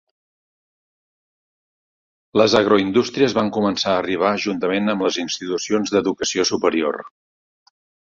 Les agroindústries van començar a arribar juntament amb les institucions d'educació superior.